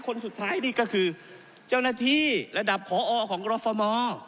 คนสุดท้ายนี่ก็คือเจ้าหน้าที่ระดับผอของกรฟม